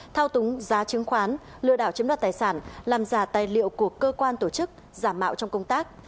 thao túng giá chứng khoán lừa đảo chiếm đoạt tài sản làm giả tài liệu của cơ quan tổ chức giả mạo trong công tác